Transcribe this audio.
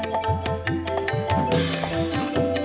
terima kasih pak